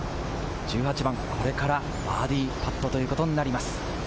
１８番、これからバーディーパットということになります。